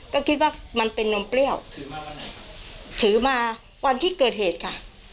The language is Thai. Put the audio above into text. ก็คิดว่ามันเป็นนมเปรี้ยวถือมาวันที่เกิดเหตุค่ะ